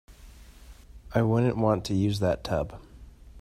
I wouldn't want to use that tub.